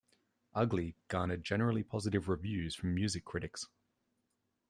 "Ugly" garnered generally positive reviews from music critics.